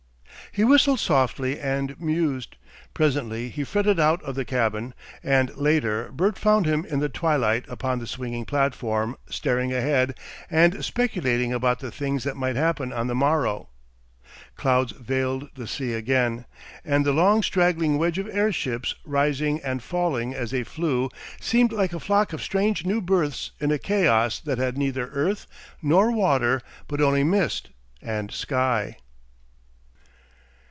He whistled softly and mused. Presently he fretted out of the cabin, and later Bert found him in the twilight upon the swinging platform, staring ahead, and speculating about the things that might happen on the morrow. Clouds veiled the sea again, and the long straggling wedge of air ships rising and falling as they flew seemed like a flock of strange new births in a Chaos that had neither earth nor water but only mist and sky.